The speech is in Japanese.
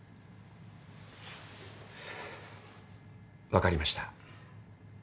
分かりました。